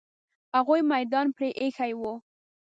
هغوی میدان پرې ایښی وو.